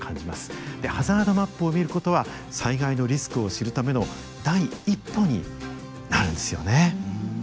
でハザードマップを見ることは災害のリスクを知るための第一歩になるんですよね。